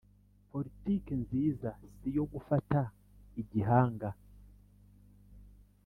politique nziza siyo gufata igihanga vy